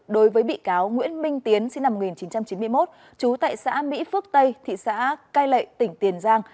đối với bị cáo nguyễn minh tiến sinh năm một nghìn chín trăm chín mươi một trú tại xã mỹ phước tây thị xã cai lệ tỉnh tiền giang